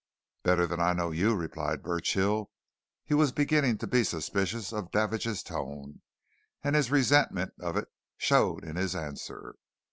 "Better than I know you," replied Burchill. He was beginning to be suspicious of Davidge's tone, and his resentment of it showed in his answer.